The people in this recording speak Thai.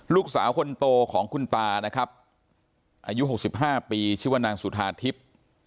ลูกสาวคนโตของคุณตานะครับอายุ๖๕ปีชื่อว่านางสุธาทิพย์